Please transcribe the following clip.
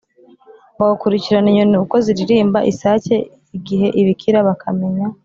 Bagakurikirana inyoni uko ziririmba, isake igihe ibikira, bakamenya